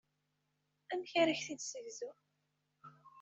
Amek ara k-t-id-ssegzuɣ?